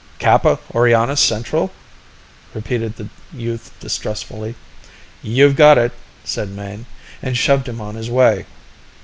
"Kappa Orionis Central...?" repeated the youth distrustfully. "You've got it," said Mayne, and shoved him on his way.